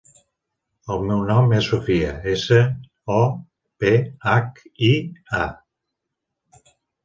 El meu nom és Sophia: essa, o, pe, hac, i, a.